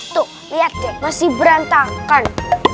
tuh lihat deh masih berantakan